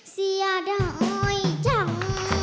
เสียดอยจัง